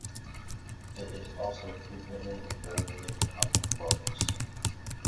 It is also frequently invoked in comic books.